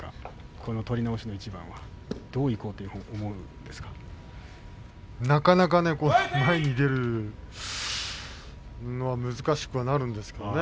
この取り直しの一番なかなか前に出るのが難しくなるんですけどね。